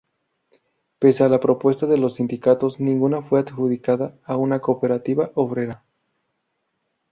Pese a la propuesta de los sindicatos, ninguna fue adjudicada a una cooperativa obrera.